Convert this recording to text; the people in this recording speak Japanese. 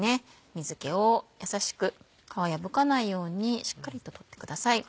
水気を優しく皮破かないようにしっかりと取ってください。